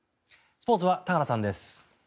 スポーツは田原さんです。